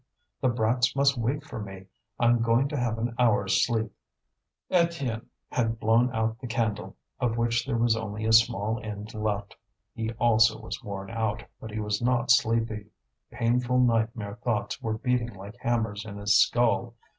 the brats must wait for me; I'm going to have an hour's sleep." Étienne had blown out the candle, of which there was only a small end left. He also was worn out, but he was not sleepy; painful nightmare thoughts were beating like hammers in his skull.